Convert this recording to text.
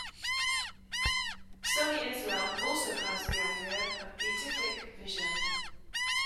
Sunni Islam also has the idea of beatific vision.